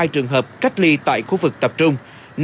một một trăm một mươi hai trường hợp cách ly tại khu vực tập trung